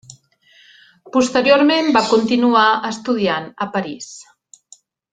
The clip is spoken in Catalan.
Posteriorment, va continuar estudiant a París.